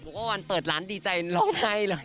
มองว่าวันเปิดร้านดีใจลองใจหรอ